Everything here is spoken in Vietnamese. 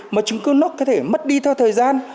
mà chứng cứ nó có thể mất đi theo thời gian